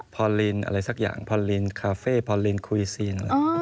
พอลินอะไรสักอย่างพอลินคาเฟ่พอลินคุยซีน